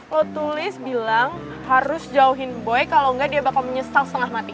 lo tulis bilang harus jauhin boy kalau nggak dia bakal menyesal setengah mati